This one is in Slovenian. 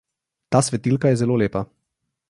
Ta svetilka je zelo lepa.